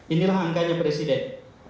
inilah angkanya presiden